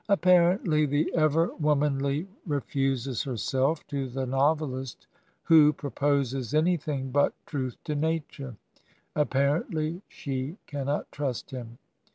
Apparently the ever womanly re fuses herself to the noveUst who proposes anything but truth to nature ; apparently she cannot trust him.